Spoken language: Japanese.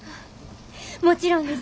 もちろんです。